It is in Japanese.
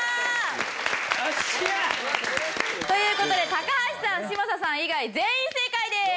よっしゃ！という事で高橋さん嶋佐さん以外全員正解です！